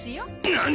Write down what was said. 何！？